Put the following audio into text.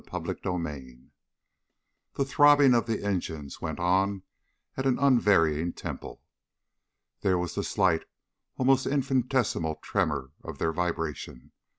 CHAPTER II The throbbing of the engines went on at an unvarying tempo. There was the slight, almost infinitesimal tremor of their vibration.